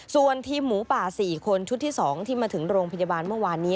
ส่วนทีมหมูป่า๔คนชุดที่๒ที่มาถึงโรงพยาบาลเมื่อวานนี้